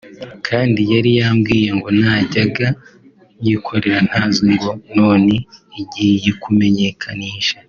kandi yari yambwiye ngo najyaga nyikorera ntazwi ngo none igiye kumenyekanisha